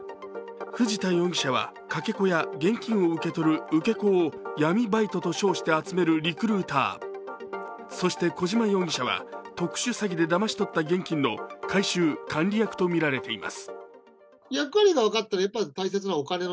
藤田容疑者はかけ子や現金を受けとる受け子を闇バイトと称して集めるリクルーター、そして、小島容疑者は特殊詐欺でだまし取った現金の回収・管理役とみられています。